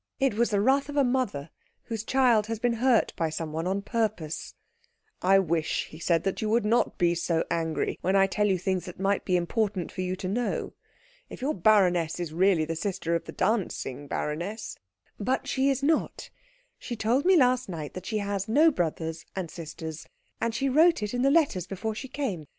It was the wrath of a mother whose child has been hurt by someone on purpose, "I wish," he said, "that you would not be so angry when I tell you things that might be important for you to know. If your baroness is really the sister of the dancing baroness " "But she is not. She told me last night that she has no brothers and sisters. And she wrote it in the letters before she came.